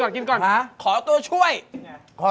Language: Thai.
กินก่อนขอตัวช่วยนะครับฮะ